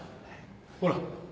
ほら。